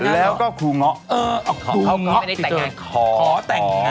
แล้วก็ครูเงาะเออเอาครูเงาะไปในแต่งงานขอแต่งงาน